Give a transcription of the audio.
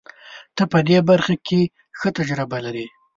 ته په دې برخه کې ښه تجربه لرې.